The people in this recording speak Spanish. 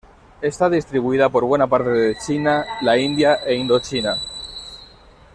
Está distribuida por buena parte de China, la India e Indochina.